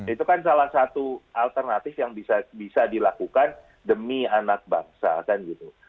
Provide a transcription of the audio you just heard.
itu kan salah satu alternatif yang bisa dilakukan demi anak bangsa kan gitu